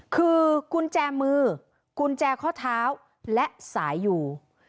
คือกุญแจมือกุญแจข้อเท้าและสายอยู่